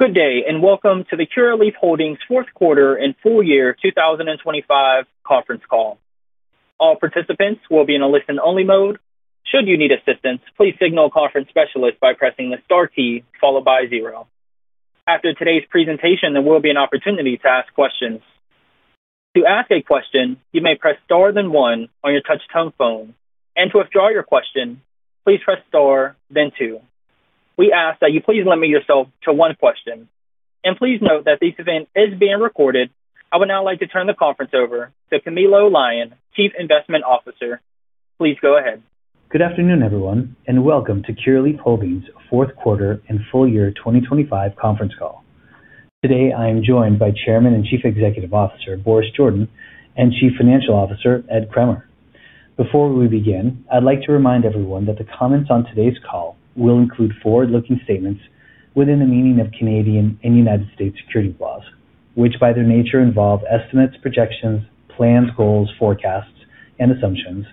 Good day, and welcome to the Curaleaf Holdings fourth quarter and full year 2025 conference call. All participants will be in a listen-only mode. Should you need assistance, please signal a conference specialist by pressing the star key followed by zero. After today's presentation, there will be an opportunity to ask questions. To ask a question, you may press star then one on your touch-tone phone. To withdraw your question, please press star then two. We ask that you please limit yourself to one question. Please note that this event is being recorded. I would now like to turn the conference over to Camilo Lyon, Chief Investment Officer. Please go ahead. Good afternoon, everyone, and welcome to Curaleaf Holdings fourth quarter and full year 2025 conference call. Today, I am joined by Chairman and Chief Executive Officer, Boris Jordan, and Chief Financial Officer, Ed Kremer. Before we begin, I'd like to remind everyone that the comments on today's call will include forward-looking statements within the meaning of Canadian and United States security laws, which by their nature involve estimates, projections, plans, goals, forecasts, and assumptions,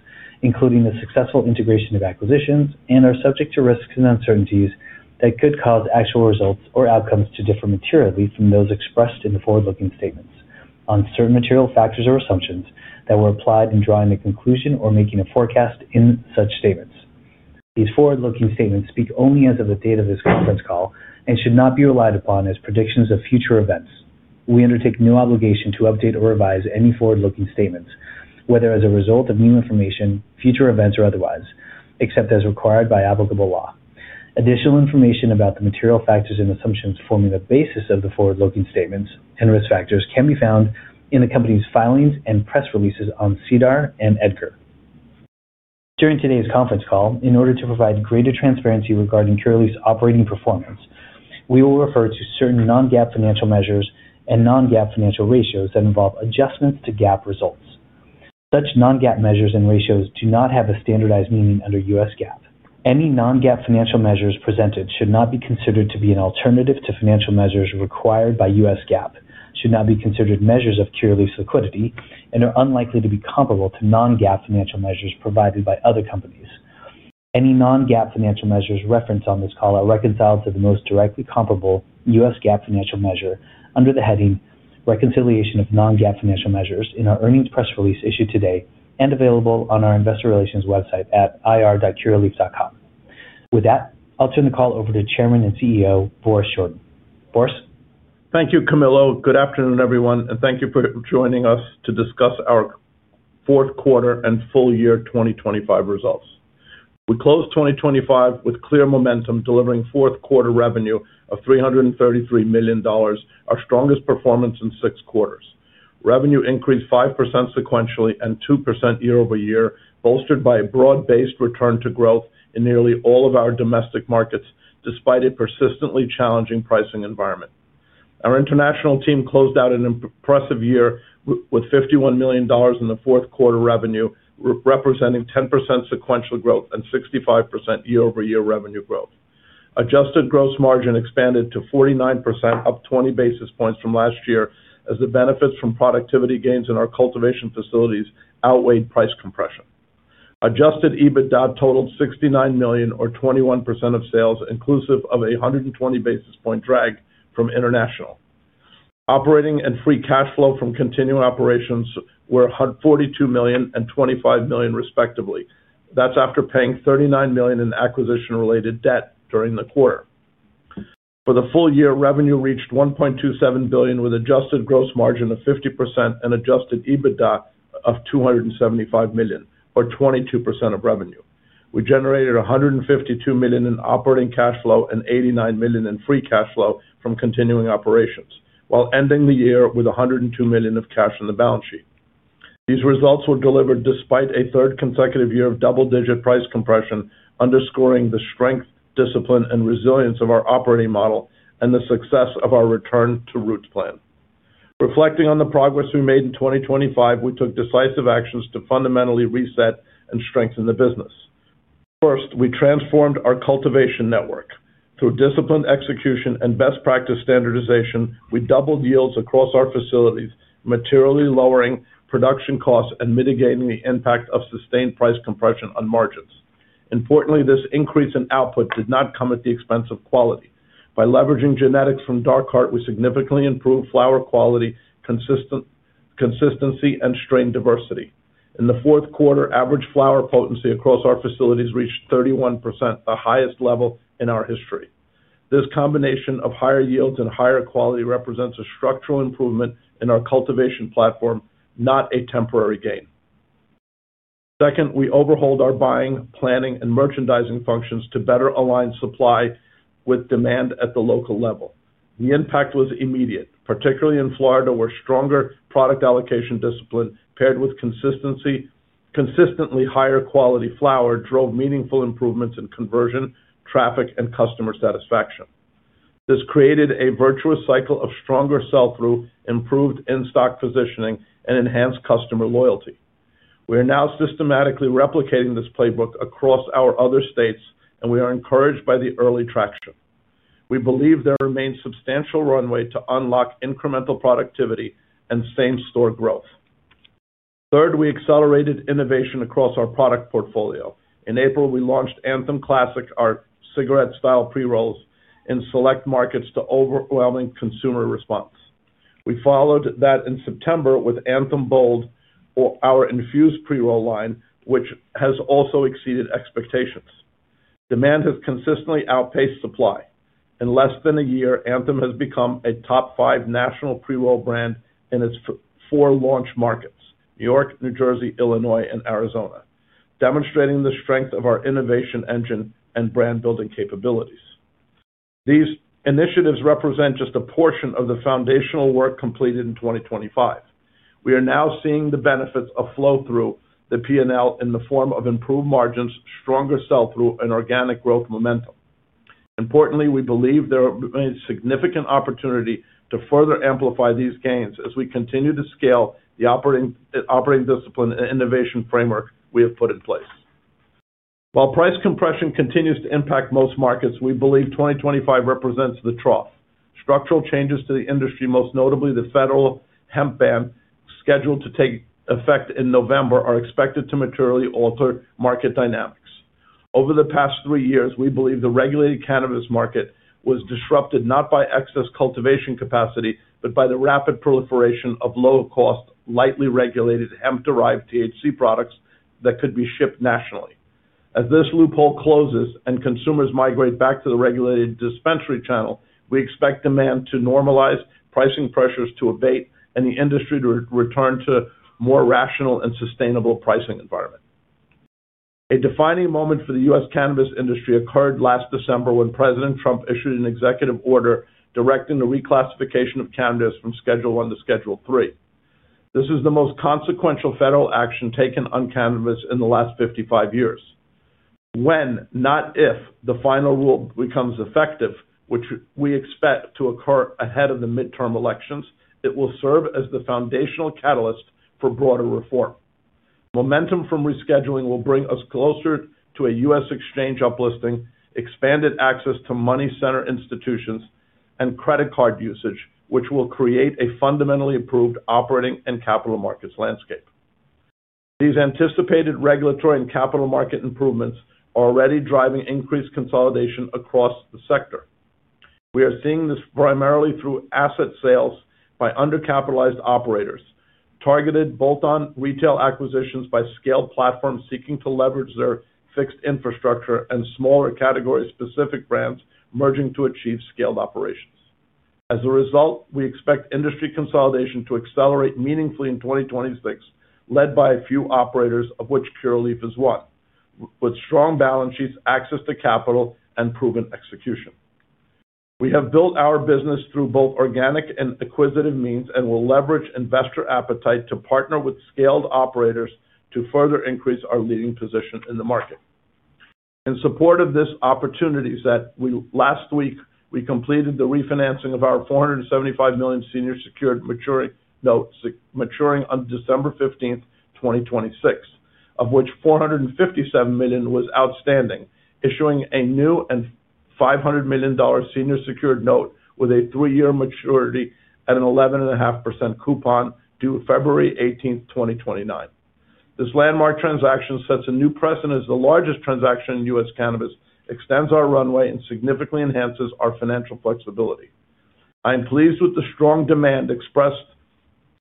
including the successful integration of acquisitions and are subject to risks and uncertainties that could cause actual results or outcomes to differ materially from those expressed in the forward-looking statements on certain material factors or assumptions that were applied in drawing a conclusion or making a forecast in such statements. These forward-looking statements speak only as of the date of this conference call and should not be relied upon as predictions of future events. We undertake no obligation to update or revise any forward-looking statements, whether as a result of new information, future events, or otherwise, except as required by applicable law. Additional information about the material factors and assumptions forming the basis of the forward-looking statements and risk factors can be found in the company's filings and press releases on SEDAR and EDGAR. During today's conference call, in order to provide greater transparency regarding Curaleaf's operating performance, we will refer to certain non-GAAP financial measures and non-GAAP financial ratios that involve adjustments to GAAP results. Such non-GAAP measures and ratios do not have a standardized meaning under US GAAP. Any non-GAAP financial measures presented should not be considered to be an alternative to financial measures required by U.S. GAAP, should not be considered measures of Curaleaf's liquidity, and are unlikely to be comparable to non-GAAP financial measures provided by other companies. Any non-GAAP financial measures referenced on this call are reconciled to the most directly comparable US GAAP financial measure under the heading Reconciliation of Non-GAAP Financial Measures in our earnings press release issued today and available on our Investor Relations website at ir.curaleaf.com. With that, I'll turn the call over to Chairman and CEO, Boris Jordan. Boris? Thank you, Camilo. Good afternoon, everyone, and thank you for joining us to discuss our fourth quarter and full year 2025 results. We closed 2025 with clear momentum, delivering fourth quarter revenue of $333 million, our strongest performance in six quarters. Revenue increased 5% sequentially and 2% year-over-year, bolstered by a broad-based return to growth in nearly all of our domestic markets despite a persistently challenging pricing environment. Our international team closed out an impressive year with $51 million in the fourth quarter revenue, representing 10% sequential growth and 65% year-over-year revenue growth. Adjusted gross margin expanded to 49%, up 20 basis points from last year as the benefits from productivity gains in our cultivation facilities outweighed price compression. Adjusted EBITDA totaled $69 million or 21% of sales, inclusive of 120 basis point drag from international. Operating and free cash flow from continuing operations were $42 million and $25 million respectively. That's after paying $39 million in acquisition-related debt during the quarter. For the full year, revenue reached $1.27 billion with adjusted gross margin of 50% and adjusted EBITDA of $275 million or 22% of revenue. We generated $152 million in operating cash flow and $89 million in free cash flow from continuing operations while ending the year with $102 million of cash on the balance sheet. These results were delivered despite a third consecutive year of double-digit price compression, underscoring the strength, discipline, and resilience of our operating model and the success of our Return to Our Roots plan. Reflecting on the progress we made in 2025, we took decisive actions to fundamentally reset and strengthen the business. First, we transformed our cultivation network. Through disciplined execution and best practice standardization, we doubled yields across our facilities, materially lowering production costs and mitigating the impact of sustained price compression on margins. Importantly, this increase in output did not come at the expense of quality. By leveraging genetics from Dark Heart, we significantly improved flower quality, consistency, and strain diversity. In the fourth quarter, average flower potency across our facilities reached 31%, the highest level in our history. This combination of higher yields and higher quality represents a structural improvement in our cultivation platform, not a temporary gain. Second, we overhauled our buying, planning, and merchandising functions to better align supply with demand at the local level. The impact was immediate, particularly in Florida, where stronger product allocation discipline paired with consistently higher quality flower drove meaningful improvements in conversion, traffic, and customer satisfaction. This created a virtuous cycle of stronger sell-through, improved in-stock positioning, and enhanced customer loyalty. We are now systematically replicating this playbook across our other states. We are encouraged by the early traction. We believe there remains substantial runway to unlock incremental productivity and same-store growth. Third, we accelerated innovation across our product portfolio. In April, we launched Anthem Classic, our cigarette-style pre-rolls, in select markets to overwhelming consumer response. We followed that in September with Anthem Bold, our infused pre-roll line, which has also exceeded expectations. Demand has consistently outpaced supply. In less than a year, Anthem has become a top five national pre-roll brand in its four launch markets, New York, New Jersey, Illinois, and Arizona, demonstrating the strength of our innovation engine and brand-building capabilities. These initiatives represent just a portion of the foundational work completed in 2025. We are now seeing the benefits of flow through the P&L in the form of improved margins, stronger sell-through, and organic growth momentum. We believe there remains significant opportunity to further amplify these gains as we continue to scale the operating discipline and innovation framework we have put in place. Price compression continues to impact most markets, we believe 2025 represents the trough. Structural changes to the industry, most notably the federal hemp ban, scheduled to take effect in November, are expected to materially alter market dynamics. Over the past three years, we believe the regulated cannabis market was disrupted not by excess cultivation capacity, but by the rapid proliferation of low-cost, lightly regulated hemp-derived THC products that could be shipped nationally. As this loophole closes and consumers migrate back to the regulated dispensary channel, we expect demand to normalize, pricing pressures to abate, and the industry to return to more rational and sustainable pricing environment. A defining moment for the U.S. cannabis industry occurred last December when President Trump issued an executive order directing the reclassification of cannabis from Schedule I to Schedule III. This is the most consequential federal action taken on cannabis in the last 55 years. When, not if, the final rule becomes effective, which we expect to occur ahead of the midterm elections, it will serve as the foundational catalyst for broader reform. Momentum from rescheduling will bring us closer to a U.S. exchange up-listing, expanded access to money center institutions, and credit card usage, which will create a fundamentally approved operating and capital markets landscape. These anticipated regulatory and capital market improvements are already driving increased consolidation across the sector. We are seeing this primarily through asset sales by undercapitalized operators, targeted bolt-on retail acquisitions by scaled platforms seeking to leverage their fixed infrastructure, and smaller category-specific brands merging to achieve scaled operations. As a result, we expect industry consolidation to accelerate meaningfully in 2026, led by a few operators, of which Curaleaf is one, with strong balance sheets, access to capital, and proven execution. We have built our business through both organic and acquisitive means and will leverage investor appetite to partner with scaled operators to further increase our leading position in the market. In support of this opportunities that last week, we completed the refinancing of our $475 million senior secured maturing notes, maturing on December 15th, 2026, of which $457 million was outstanding, issuing a new $500 million senior secured note with a three-year maturity at an 11.5% coupon due February 18th, 2029. This landmark transaction sets a new precedent as the largest transaction in U.S. cannabis, extends our runway, and significantly enhances our financial flexibility. I am pleased with the strong demand expressed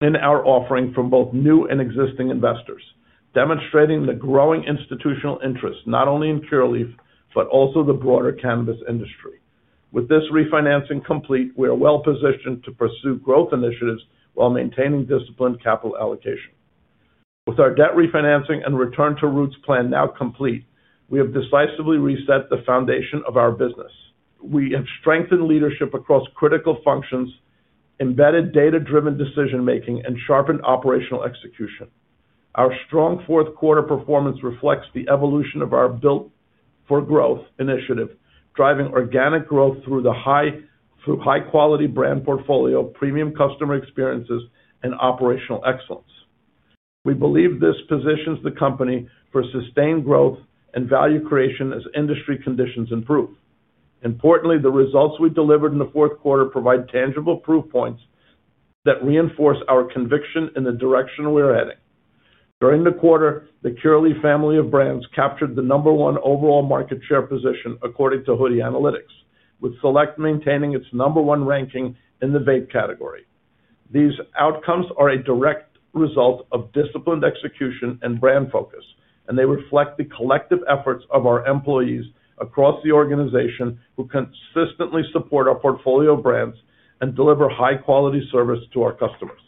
in our offering from both new and existing investors, demonstrating the growing institutional interest, not only in Curaleaf, but also the broader cannabis industry. With this refinancing complete, we are well-positioned to pursue growth initiatives while maintaining disciplined capital allocation. With our debt refinancing and Return to Our Roots plan now complete, we have decisively reset the foundation of our business. We have strengthened leadership across critical functions, embedded data-driven decision-making, and sharpened operational execution. Our strong fourth quarter performance reflects the evolution of our Built for Growth initiative, driving organic growth through high-quality brand portfolio, premium customer experiences, and operational excellence. We believe this positions the company for sustained growth and value creation as industry conditions improve. Importantly, the results we delivered in the fourth quarter provide tangible proof points that reinforce our conviction in the direction we're heading. During the quarter, the Curaleaf family of brands captured the number one overall market share position according to Hoodie Analytics, with Select maintaining its number one ranking in the vape category. These outcomes are a direct result of disciplined execution and brand focus. They reflect the collective efforts of our employees across the organization who consistently support our portfolio of brands and deliver high-quality service to our customers.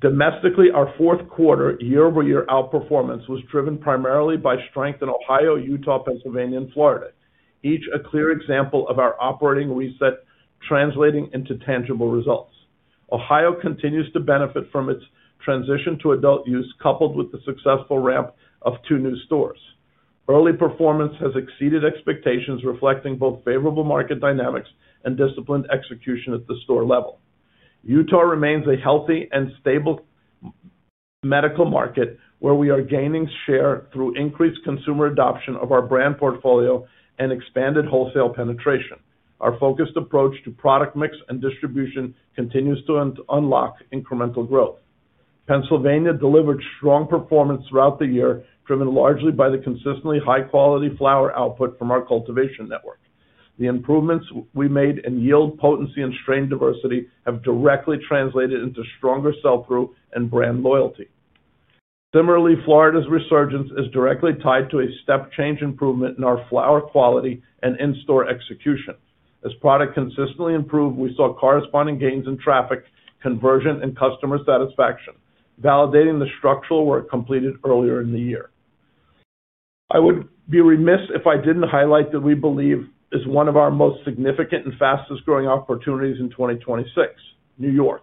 Domestically, our fourth quarter year-over-year outperformance was driven primarily by strength in Ohio, Utah, Pennsylvania, and Florida, each a clear example of our operating reset translating into tangible results. Ohio continues to benefit from its transition to adult use, coupled with the successful ramp of two new stores. Early performance has exceeded expectations, reflecting both favorable market dynamics and disciplined execution at the store level. Utah remains a healthy and stable medical market where we are gaining share through increased consumer adoption of our brand portfolio and expanded wholesale penetration. Our focused approach to product mix and distribution continues to unlock incremental growth. Pennsylvania delivered strong performance throughout the year, driven largely by the consistently high-quality flower output from our cultivation network. The improvements we made in yield, potency, and strain diversity have directly translated into stronger sell-through and brand loyalty. Similarly, Florida's resurgence is directly tied to a step-change improvement in our flower quality and in-store execution. As product consistently improved, we saw corresponding gains in traffic, conversion, and customer satisfaction, validating the structural work completed earlier in the year. I would be remiss if I didn't highlight that we believe is one of our most significant and fastest-growing opportunities in 2026, New York.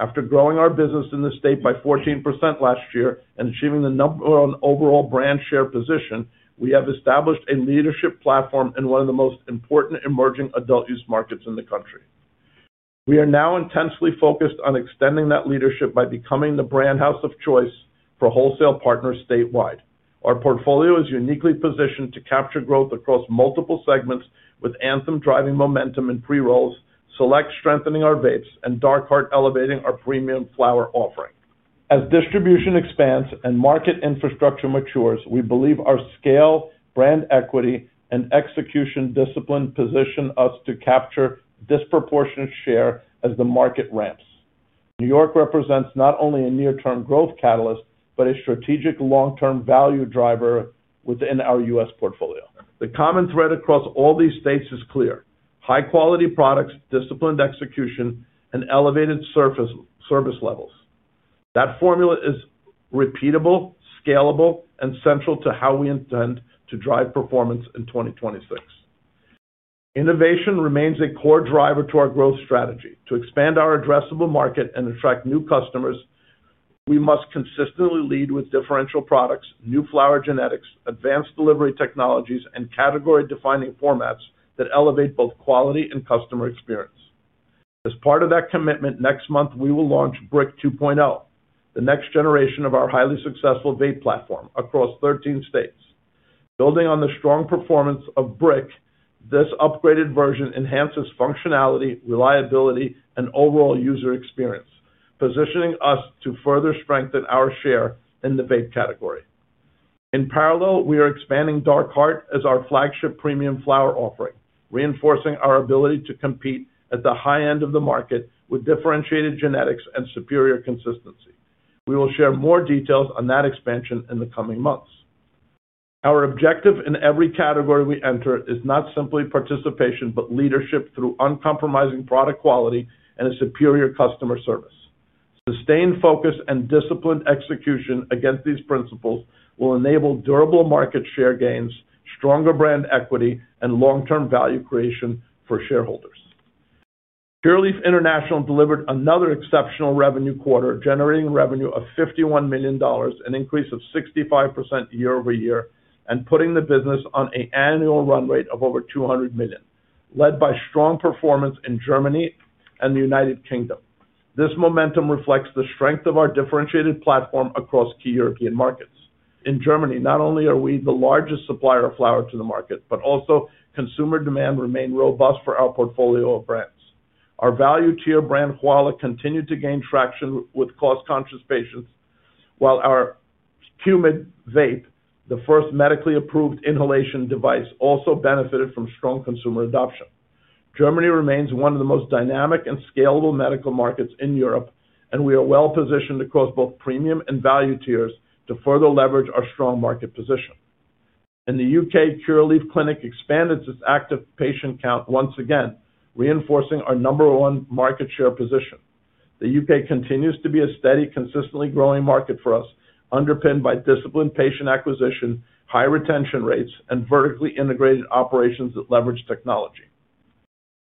After growing our business in the state by 14% last year and achieving the number one overall brand share position, we have established a leadership platform in one of the most important emerging adult use markets in the country. We are now intensely focused on extending that leadership by becoming the brand house of choice for wholesale partners statewide. Our portfolio is uniquely positioned to capture growth across multiple segments, with Anthem driving momentum in pre-rolls, Select strengthening our vapes, and Dark Heart elevating our premium flower offering. As distribution expands and market infrastructure matures, we believe our scale, brand equity, and execution discipline position us to capture disproportionate share as the market ramps. New York represents not only a near-term growth catalyst, but a strategic long-term value driver within our U.S. portfolio. The common thread across all these states is clear: high-quality products, disciplined execution, and elevated service levels. That formula is repeatable, scalable, and central to how we intend to drive performance in 2026. Innovation remains a core driver to our growth strategy. To expand our addressable market and attract new customers, we must consistently lead with differential products, new flower genetics, advanced delivery technologies, and category-defining formats that elevate both quality and customer experience. As part of that commitment, next month, we will launch BRIQ 2.0, the next generation of our highly successful vape platform across 13 states. Building on the strong performance of BRIQ, this upgraded version enhances functionality, reliability, and overall user experience, positioning us to further strengthen our share in the vape category. In parallel, we are expanding Dark Heart as our flagship premium flower offering, reinforcing our ability to compete at the high end of the market with differentiated genetics and superior consistency. We will share more details on that expansion in the coming months. Our objective in every category we enter is not simply participation, but leadership through uncompromising product quality and a superior customer service. Sustained focus and disciplined execution against these principles will enable durable market share gains, stronger brand equity, and long-term value creation for shareholders. Curaleaf International delivered another exceptional revenue quarter, generating revenue of $51 million, an increase of 65% year-over-year, and putting the business on a annual run rate of over $200 million, led by strong performance in Germany and the United Kingdom. This momentum reflects the strength of our differentiated platform across key European markets. In Germany, not only are we the largest supplier of flower to the market, but also consumer demand remained robust for our portfolio of brands. Our value tier brand, Koala, continued to gain traction with cost-conscious patients, while our QMID vape, the first medically approved inhalation device, also benefited from strong consumer adoption. Germany remains one of the most dynamic and scalable medical markets in Europe. We are well-positioned across both premium and value tiers to further leverage our strong market position. In the U.K., Curaleaf Clinic expanded its active patient count once again, reinforcing our number one market share position. The U.K. continues to be a steady, consistently growing market for us, underpinned by disciplined patient acquisition, high retention rates, and vertically integrated operations that leverage technology.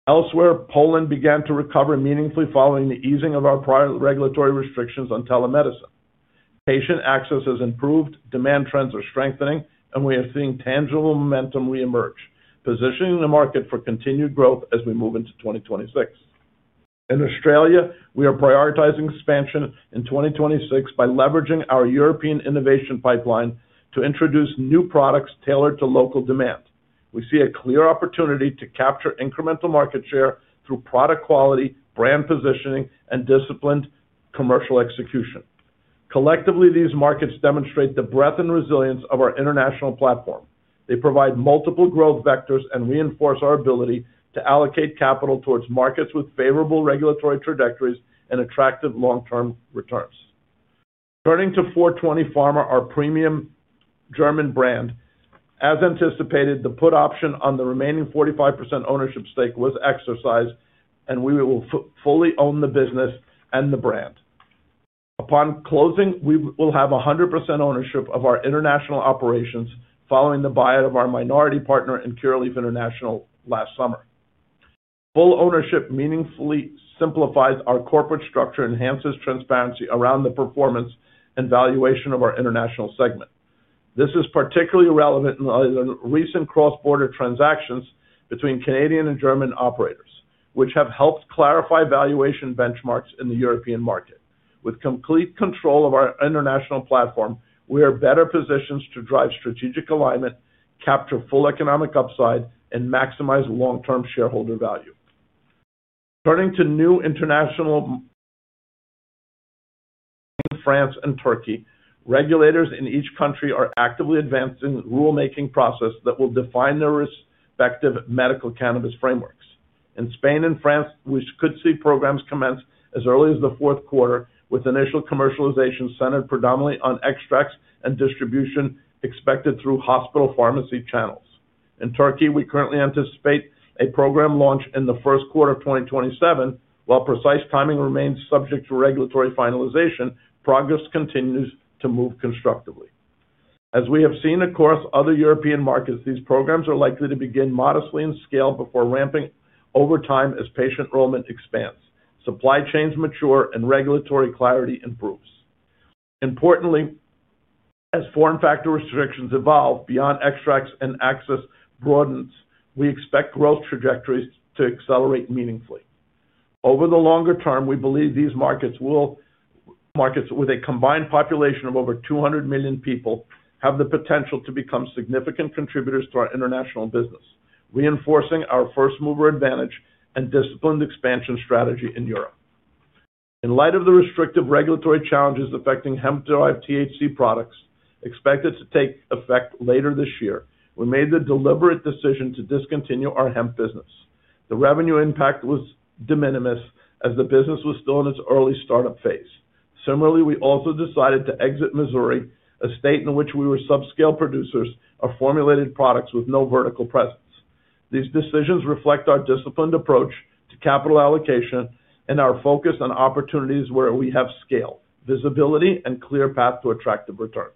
Elsewhere, Poland began to recover meaningfully following the easing of our prior regulatory restrictions on telemedicine. Patient access has improved, demand trends are strengthening. We are seeing tangible momentum reemerge, positioning the market for continued growth as we move into 2026. In Australia, we are prioritizing expansion in 2026 by leveraging our European innovation pipeline to introduce new products tailored to local demand. We see a clear opportunity to capture incremental market share through product quality, brand positioning, and disciplined commercial execution. Collectively, these markets demonstrate the breadth and resilience of our international platform. They provide multiple growth vectors and reinforce our ability to allocate capital towards markets with favorable regulatory trajectories and attractive long-term returns. Turning to Four 20 Pharma, our premium German brand. As anticipated, the put option on the remaining 45% ownership stake was exercised, and we will fully own the business and the brand. Upon closing, we will have 100% ownership of our international operations following the buyout of our minority partner in Curaleaf International last summer. Full ownership meaningfully simplifies our corporate structure, enhances transparency around the performance and valuation of our international segment. This is particularly relevant in the recent cross-border transactions between Canadian and German operators, which have helped clarify valuation benchmarks in the European market. With complete control of our international platform, we are better positioned to drive strategic alignment, capture full economic upside, and maximize long-term shareholder value. Turning to new international France and Turkey, regulators in each country are actively advancing rulemaking process that will define their respective medical cannabis frameworks. In Spain and France, we could see programs commence as early as the fourth quarter, with initial commercialization centered predominantly on extracts and distribution expected through hospital pharmacy channels. In Turkey, we currently anticipate a program launch in the first quarter of 2027, while precise timing remains subject to regulatory finalization, progress continues to move constructively. As we have seen across other European markets, these programs are likely to begin modestly in scale before ramping over time as patient enrollment expands, supply chains mature, and regulatory clarity improves. Importantly, as form factor restrictions evolve beyond extracts and access broadens, we expect growth trajectories to accelerate meaningfully. Over the longer term, we believe these markets with a combined population of over 200 million people have the potential to become significant contributors to our international business, reinforcing our first-mover advantage and disciplined expansion strategy in Europe. In light of the restrictive regulatory challenges affecting hemp-derived THC products expected to take effect later this year, we made the deliberate decision to discontinue our hemp business. The revenue impact was de minimis as the business was still in its early startup phase. Similarly, we also decided to exit Missouri, a state in which we were subscale producers of formulated products with no vertical presence. These decisions reflect our disciplined approach to capital allocation and our focus on opportunities where we have scale, visibility, and clear path to attractive returns.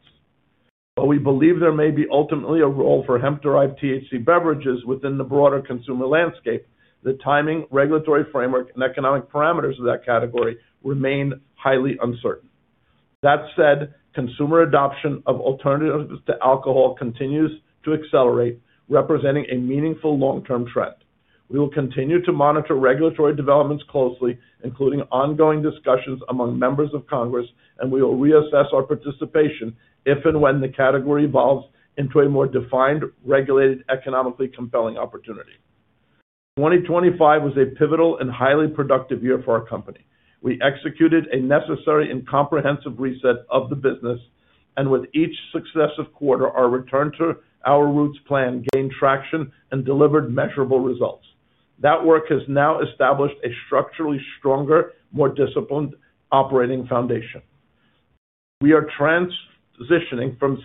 While we believe there may be ultimately a role for hemp-derived THC beverages within the broader consumer landscape, the timing, regulatory framework, and economic parameters of that category remain highly uncertain. That said, consumer adoption of alternatives to alcohol continues to accelerate, representing a meaningful long-term trend. We will continue to monitor regulatory developments closely, including ongoing discussions among members of Congress, and we will reassess our participation if and when the category evolves into a more defined, regulated, economically compelling opportunity. 2025 was a pivotal and highly productive year for our company. We executed a necessary and comprehensive reset of the business. With each successive quarter, our Return to Our Roots plan gained traction and delivered measurable results. That work has now established a structurally stronger, more disciplined operating foundation. We are transitioning from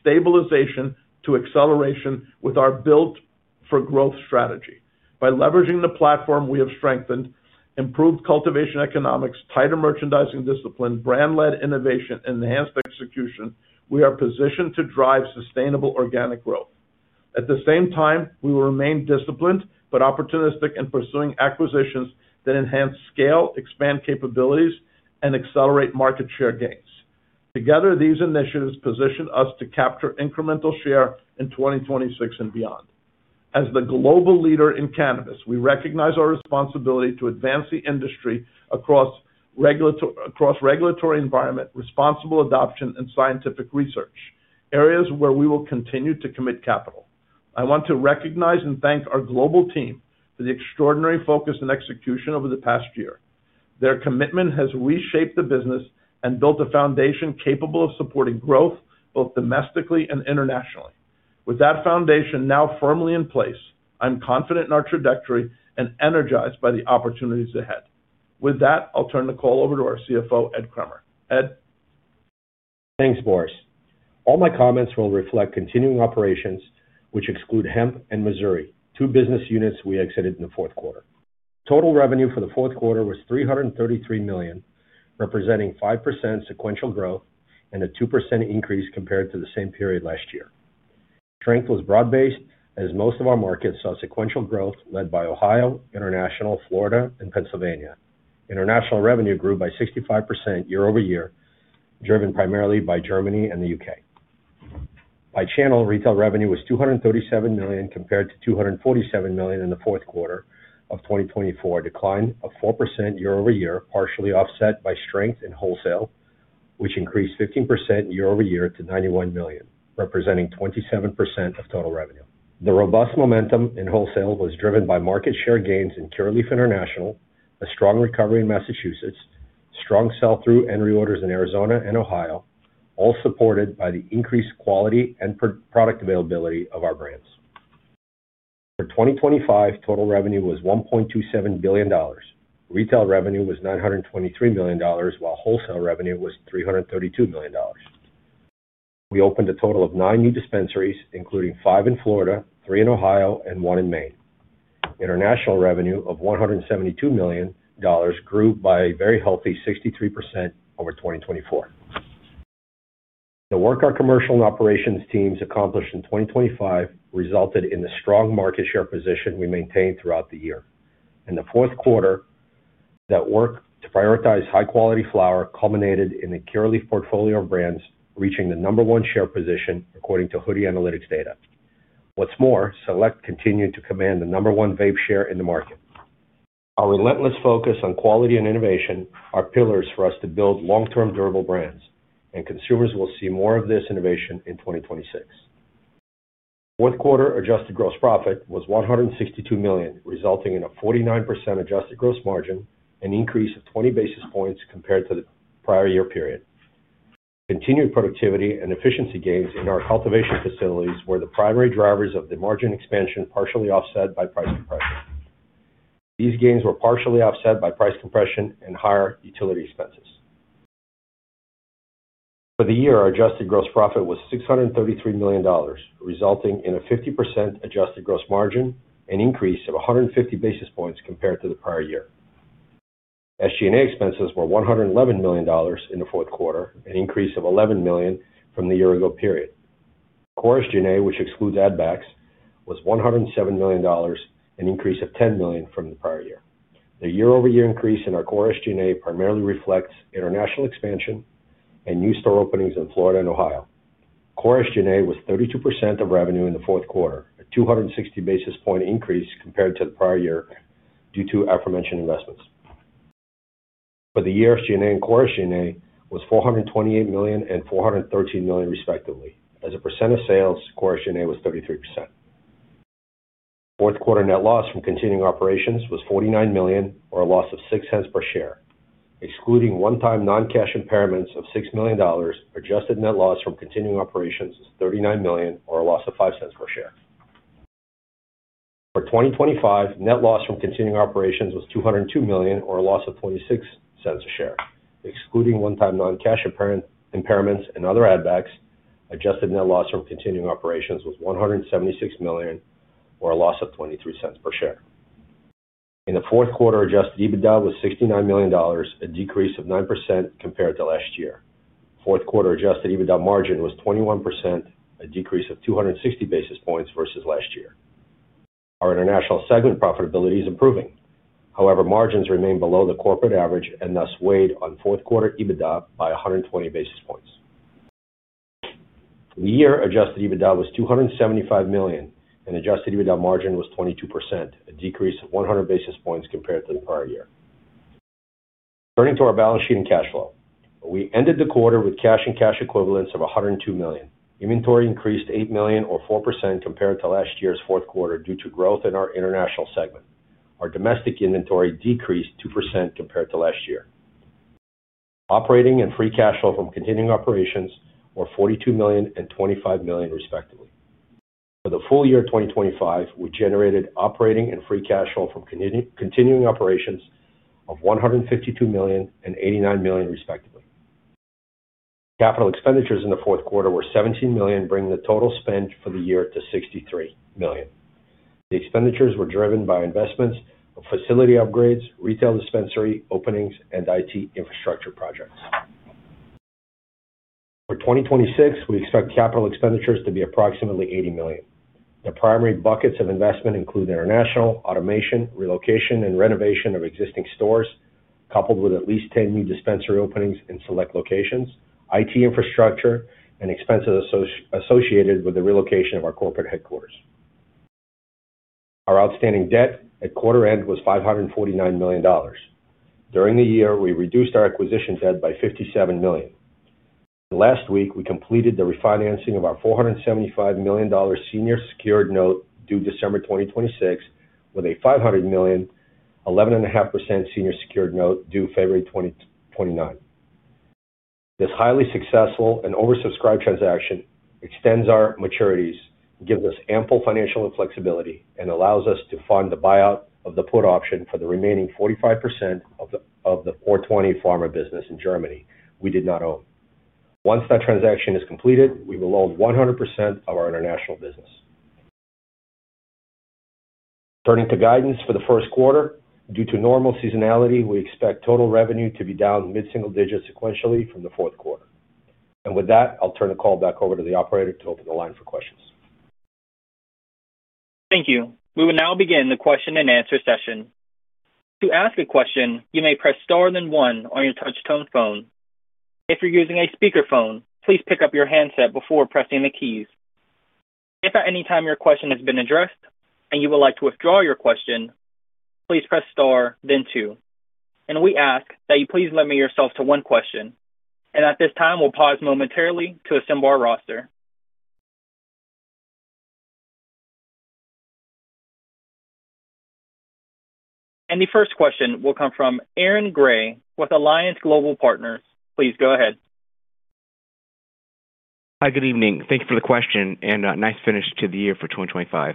stabilization to acceleration with our Build for Growth strategy. By leveraging the platform we have strengthened, improved cultivation economics, tighter merchandising discipline, brand-led innovation, enhanced execution, we are positioned to drive sustainable organic growth. At the same time, we will remain disciplined but opportunistic in pursuing acquisitions that enhance scale, expand capabilities, and accelerate market share gains. Together, these initiatives position us to capture incremental share in 2026 and beyond. As the global leader in cannabis, we recognize our responsibility to advance the industry across regulatory environment, responsible adoption, and scientific research, areas where we will continue to commit capital. I want to recognize and thank our global team for the extraordinary focus and execution over the past year. Their commitment has reshaped the business and built a foundation capable of supporting growth both domestically and internationally. With that foundation now firmly in place, I'm confident in our trajectory and energized by the opportunities ahead. With that, I'll turn the call over to our CFO, Ed Kremer. Ed? Thanks, Boris. All my comments will reflect continuing operations, which exclude hemp and Missouri, two business units we exited in the fourth quarter. Total revenue for the fourth quarter was $333 million, representing 5% sequential growth and a 2% increase compared to the same period last year. Strength was broad-based as most of our markets saw sequential growth led by Ohio, International, Florida, and Pennsylvania. International revenue grew by 65% year-over-year, driven primarily by Germany and the U.K. By channel, retail revenue was $237 million compared to $247 million in the fourth quarter of 2024, a decline of 4% year-over-year, partially offset by strength in wholesale, which increased 15% year-over-year to $91 million, representing 27% of total revenue. The robust momentum in wholesale was driven by market share gains in Curaleaf International, a strong recovery in Massachusetts, strong sell-through and reorders in Arizona and Ohio, all supported by the increased quality and product availability of our brands. For 2025, total revenue was $1.27 billion. Retail revenue was $923 million, while wholesale revenue was $332 million. We opened a total of nine new dispensaries, including five in Florida, three in Ohio, and one in Maine. International revenue of $172 million grew by a very healthy 63% over 2024. The work our commercial and operations teams accomplished in 2025 resulted in the strong market share position we maintained throughout the year. In the fourth quarter, that work to prioritize high-quality flower culminated in the Curaleaf portfolio of brands reaching the number one share position according to Hoodie Analytics data. What's more, Select continued to command the number one vape share in the market. Our relentless focus on quality and innovation are pillars for us to build long-term durable brands, and consumers will see more of this innovation in 2026. Fourth quarter adjusted gross profit was $162 million, resulting in a 49% adjusted gross margin, an increase of 20 basis points compared to the prior year period. Continued productivity and efficiency gains in our cultivation facilities were the primary drivers of the margin expansion, partially offset by price compression. These gains were partially offset by price compression and higher utility expenses. For the year, our adjusted gross profit was $633 million, resulting in a 50% adjusted gross margin, an increase of 150 basis points compared to the prior year. SG&A expenses were $111 million in the fourth quarter, an increase of $11 million from the year ago period. Core SG&A, which excludes add backs, was $107 million, an increase of $10 million from the prior year. The year-over-year increase in our core SG&A primarily reflects international expansion and new store openings in Florida and Ohio. Core SG&A was 32% of revenue in the fourth quarter, a 260 basis point increase compared to the prior year due to aforementioned investments. For the year, SG&A and core SG&A was $428 million and $413 million, respectively. As a percent of sales, core SG&A was 33%. Fourth quarter net loss from continuing operations was $49 million or a loss of $0.06 per share. Excluding one-time non-cash impairments of $6 million, adjusted net loss from continuing operations is $39 million or a loss of $0.05 per share. For 2025, net loss from continuing operations was $202 million or a loss of $0.26 a share. Excluding one-time non-cash impairments and other add backs, adjusted net loss from continuing operations was $176 million or a loss of $0.23 per share. In the fourth quarter, adjusted EBITDA was $69 million, a decrease of 9% compared to last year. Fourth quarter adjusted EBITDA margin was 21%, a decrease of 260 basis points versus last year. Our international segment profitability is improving. Margins remain below the corporate average and thus weighed on fourth quarter EBITDA by 120 basis points. For the year, adjusted EBITDA was $275 million, and adjusted EBITDA margin was 22%, a decrease of 100 basis points compared to the prior year. Turning to our balance sheet and cash flow. We ended the quarter with cash and cash equivalents of $102 million. Inventory increased $8 million or 4% compared to last year's fourth quarter due to growth in our international segment. Our domestic inventory decreased 2% compared to last year. Operating and free cash flow from continuing operations were $42 million and $25 million, respectively. For the full year 2025, we generated operating and free cash flow from continuing operations of $152 million and $89 million, respectively. Capital expenditures in the fourth quarter were $17 million, bringing the total spend for the year to $63 million. The expenditures were driven by investments of facility upgrades, retail dispensary openings, and IT infrastructure projects. For 2026, we expect capital expenditures to be approximately $80 million. The primary buckets of investment include international, automation, relocation, and renovation of existing stores, coupled with at least 10 new dispensary openings in select locations, IT infrastructure, and expenses associated with the relocation of our corporate headquarters. Our outstanding debt at quarter end was $549 million. During the year, we reduced our acquisition debt by $57 million. Last week, we completed the refinancing of our $475 million senior secured note due December 2026 with a $500 million 11.5% senior secured note due February 2029. This highly successful and oversubscribed transaction extends our maturities, gives us ample financial flexibility, and allows us to fund the buyout of the put option for the remaining 45% of the Four 20 Pharma business in Germany we did not own. Once that transaction is completed, we will own 100% of our international business. Turning to guidance for the first quarter. Due to normal seasonality, we expect total revenue to be down mid-single digits sequentially from the fourth quarter. With that, I'll turn the call back over to the operator to open the line for questions. Thank you. We will now begin the question-and-answer session. To ask a question, you may press star then one on your touch-tone phone. If you're using a speakerphone, please pick up your handset before pressing the keys. If at any time your question has been addressed and you would like to withdraw your question, please press star then two. We ask that you please limit yourself to one question. At this time, we'll pause momentarily to assemble our roster. The first question will come from Aaron Grey with Alliance Global Partners. Please go ahead. Hi. Good evening. Thank you for the question and nice finish to the year for 2025.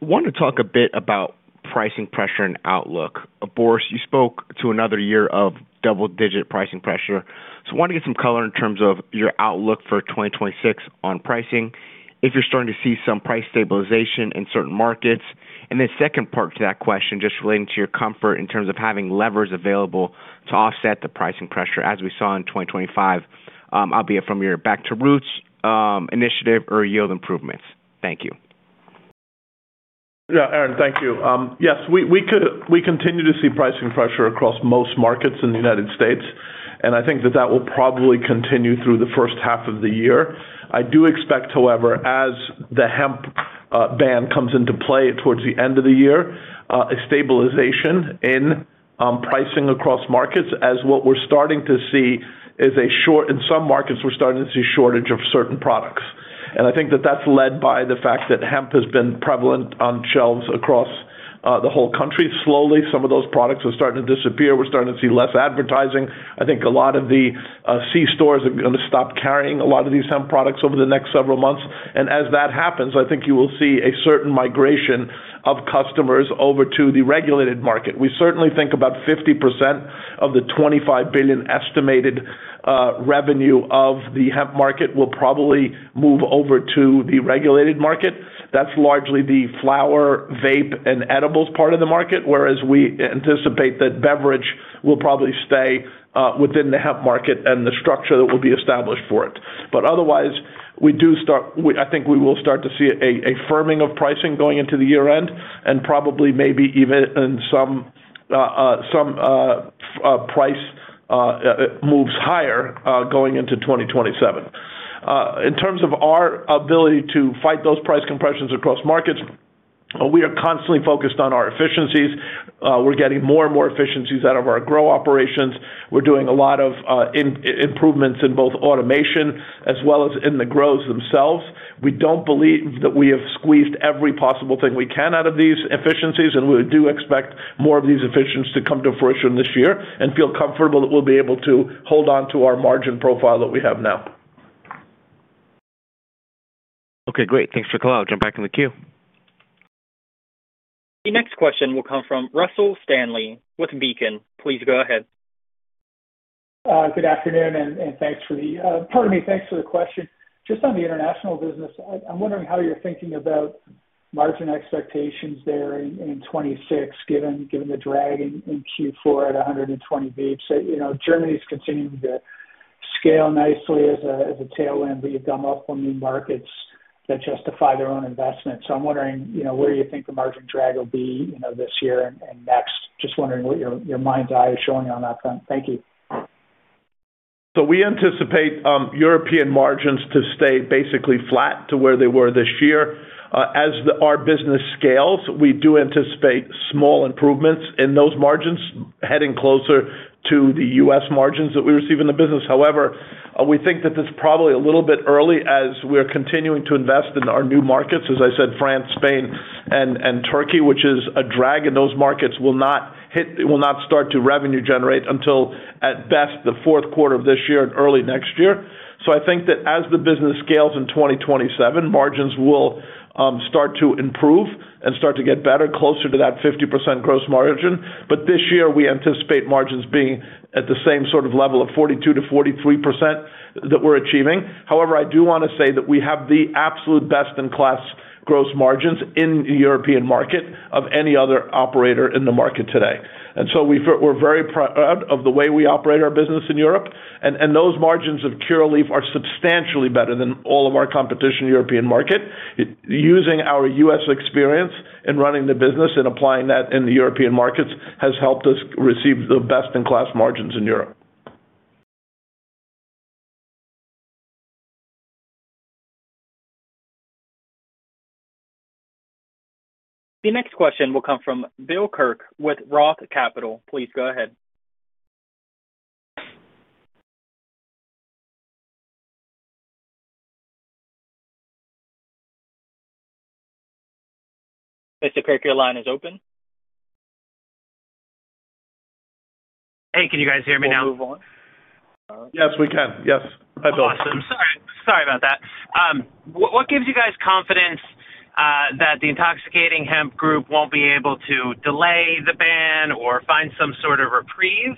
Want to talk a bit about pricing pressure and outlook. Boris, you spoke to another year of double-digit pricing pressure. I want to get some color in terms of your outlook for 2026 on pricing, if you're starting to see some price stabilization in certain markets. The second part to that question, just relating to your comfort in terms of having levers available to offset the pricing pressure as we saw in 2025, albeit from your Return to Our Roots initiative or yield improvements. Thank you. Yeah, Aaron, thank you. Yes, we continue to see pricing pressure across most markets in the United States, I think that that will probably continue through the first half of the year. I do expect, however, as the hemp ban comes into play towards the end of the year, a stabilization in pricing across markets as what we're starting to see is In some markets, we're starting to see a shortage of certain products. I think that that's led by the fact that hemp has been prevalent on shelves across the whole country. Slowly, some of those products are starting to disappear. We're starting to see less advertising. I think a lot of the c-stores are gonna stop carrying a lot of these hemp products over the next several months. As that happens, I think you will see a certain migration of customers over to the regulated market. We certainly think about 50% of the $25 billion estimated revenue of the hemp market will probably move over to the regulated market. That's largely the flower, vape, and edibles part of the market. Whereas we anticipate that beverage will probably stay within the hemp market and the structure that will be established for it. Otherwise, we do start. I think we will start to see a firming of pricing going into the year-end and probably maybe even in some price moves higher going into 2027. In terms of our ability to fight those price compressions across markets, we are constantly focused on our efficiencies. We're getting more and more efficiencies out of our grow operations. We're doing a lot of improvements in both automation as well as in the grows themselves. We don't believe that we have squeezed every possible thing we can out of these efficiencies, and we do expect more of these efficiencies to come to fruition this year and feel comfortable that we'll be able to hold on to our margin profile that we have now. Okay, great. Thanks for the call. I'll jump back in the queue. The next question will come from Russell Stanley with Beacon. Please go ahead. Good afternoon, and thanks for the, pardon me. Thanks for the question. Just on the international business, I'm wondering how you're thinking about margin expectations there in 2026, given the drag in Q4 at 120 basis points. You know, Germany's continuing to scale nicely as a tailwind, but you've come up on new markets that justify their own investment. I'm wondering, you know, where do you think the margin drag will be, you know, this year and next? Just wondering what your mind's eye is showing you on that front. Thank you. We anticipate European margins to stay basically flat to where they were this year. As our business scales, we do anticipate small improvements in those margins heading closer to the U.S. margins that we receive in the business. However, we think that it's probably a little bit early as we're continuing to invest in our new markets, as I said, France, Spain, and Turkey, which is a drag, and those markets will not start to revenue generate until, at best, the fourth quarter of this year and early next year. I think that as the business scales in 2027, margins will start to improve and start to get better, closer to that 50% gross margin. This year, we anticipate margins being at the same sort of level of 42%-43% that we're achieving. I do wanna say that we have the absolute best-in-class gross margins in the European market of any other operator in the market today. We're very proud of the way we operate our business in Europe. Those margins of Curaleaf are substantially better than all of our competition in European market. Using our U.S. experience in running the business and applying that in the European markets has helped us receive the best-in-class margins in Europe. The next question will come from Bill Kirk with Roth Capital. Please go ahead. Mr. Kirk, your line is open. Hey, can you guys hear me now? Yes, we can. Yes. That's all. Awesome. Sorry about that. What gives you guys confidence that the intoxicating hemp group won't be able to delay the ban or find some sort of reprieve?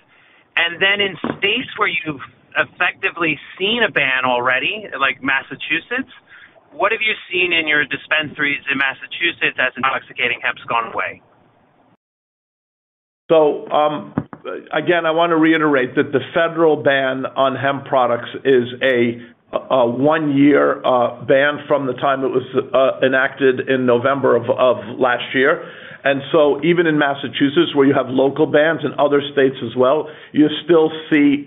In states where you've effectively seen a ban already, like Massachusetts, what have you seen in your dispensaries in Massachusetts as intoxicating hemp's gone away? Again, I wanna reiterate that the federal ban on hemp products is a one-year ban from the time it was enacted in November of last year. Even in Massachusetts, where you have local bans, in other states as well, you still see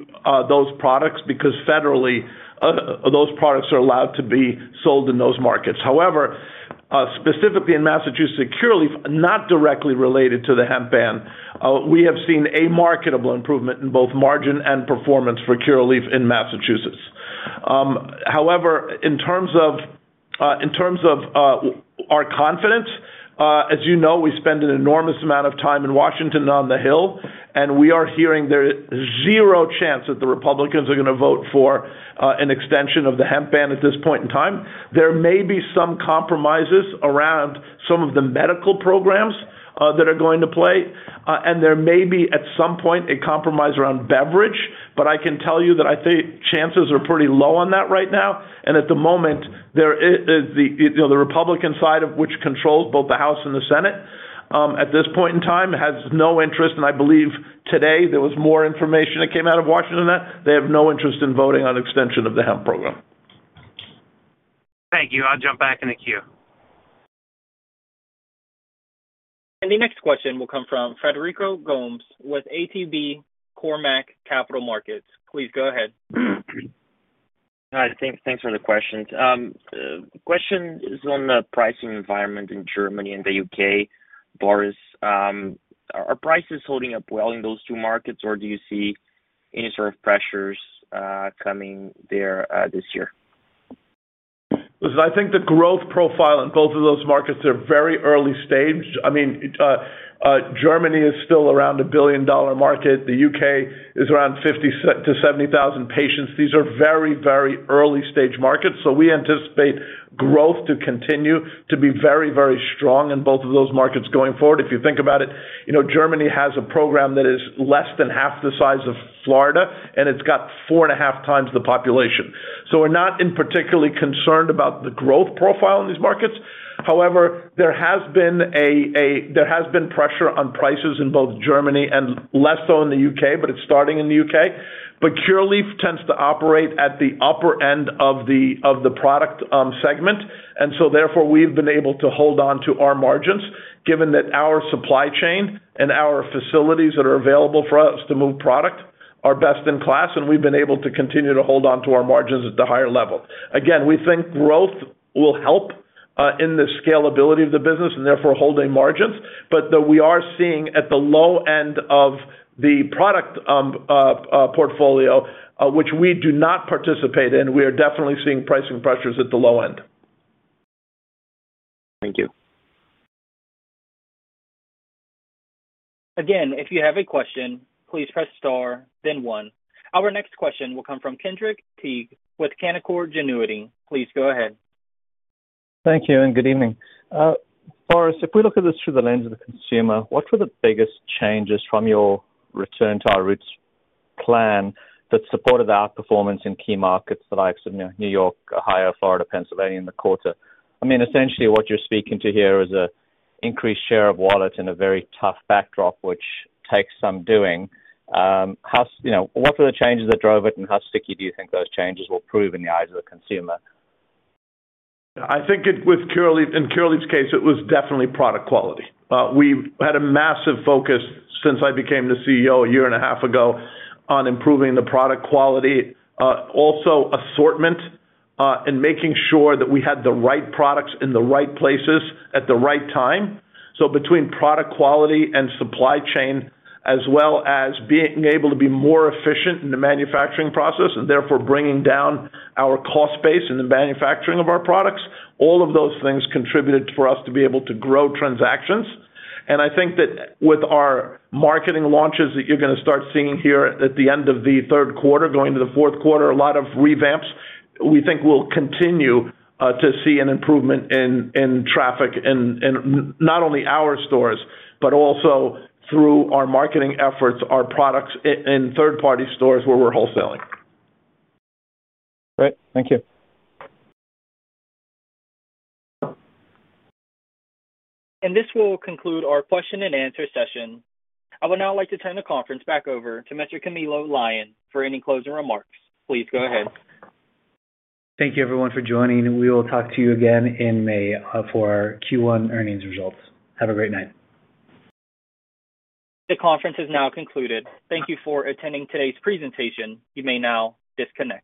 those products because federally, those products are allowed to be sold in those markets. Specifically in Massachusetts, Curaleaf, not directly related to the hemp ban, we have seen a marketable improvement in both margin and performance for Curaleaf in Massachusetts. In terms of, in terms of our confidence, as you know, we spend an enormous amount of time in Washington on the Hill, and we are hearing there is 0% chance that the Republicans are gonna vote for an extension of the hemp ban at this point in time. There may be some compromises around some of the medical programs, that are going to play, and there may be, at some point, a compromise around beverage. I can tell you that I think chances are pretty low on that right now. At the moment, there is the, you know, the Republican side of which controls both the House and the Senate, at this point in time, has no interest. I believe today there was more information that came out of Washington that they have no interest in voting on extension of the hemp program. Thank you. I'll jump back in the queue. The next question will come from Frederico Gomes with ATB Cormark Capital Markets. Please go ahead. Hi. Thanks for the questions. Question is on the pricing environment in Germany and the U.K. Boris, are prices holding up well in those two markets, or do you see any sort of pressures coming there this year? Listen, I think the growth profile in both of those markets are very early stage. I mean, Germany is still around a $1 billion market. The U.K. is around 50,000-70,000 patients. These are very, very early-stage markets. We anticipate growth to continue to be very, very strong in both of those markets going forward. If you think about it, you know, Germany has a program that is less than half the size of Florida, and it's got 4.5 times the population. We're not in particularly concerned about the growth profile in these markets. However, there has been pressure on prices in both Germany and less so in the U.K., but it's starting in the U.K. Curaleaf tends to operate at the upper end of the product segment. Therefore, we've been able to hold on to our margins given that our supply chain and our facilities that are available for us to move product are best in class, and we've been able to continue to hold on to our margins at the higher level. Again, we think growth will help in the scalability of the business and therefore holding margins, but that we are seeing at the low end of the product portfolio, which we do not participate in. We are definitely seeing pricing pressures at the low end. Thank you. Again, if you have a question, please press star then one. Our next question will come from Kenric Tyghe with Canaccord Genuity. Please go ahead. Thank you and good evening. Boris, if we look at this through the lens of the consumer, what were the biggest changes from your Return to Our Roots plan that supported the outperformance in key markets, the likes of, you know, New York, Ohio, Florida, Pennsylvania in the quarter? Essentially what you're speaking to here is a increased share of wallet in a very tough backdrop, which takes some doing. You know, what are the changes that drove it and how sticky do you think those changes will prove in the eyes of the consumer? I think it with Curaleaf, in Curaleaf's case, it was definitely product quality. We've had a massive focus since I became the CEO a year and a half ago on improving the product quality, also assortment, and making sure that we had the right products in the right places at the right time. Between product quality and supply chain as well as being able to be more efficient in the manufacturing process and therefore bringing down our cost base in the manufacturing of our products, all of those things contributed for us to be able to grow transactions. I think that with our marketing launches that you're gonna start seeing here at the end of the third quarter going to the fourth quarter, a lot of revamps, we think we'll continue to see an improvement in traffic in not only our stores, but also through our marketing efforts, our products in third-party stores where we're wholesaling. Great. Thank you. This will conclude our question-and-answer session. I would now like to turn the conference back over to Mr. Camilo Lyon for any closing remarks. Please go ahead. Thank you everyone for joining, and we will talk to you again in May, for our Q1 earnings results. Have a great night. The conference is now concluded. Thank you for attending today's presentation. You may now disconnect.